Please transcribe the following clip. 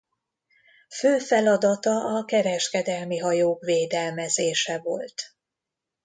Fő feladata a kereskedelmi hajók védelmezése volt.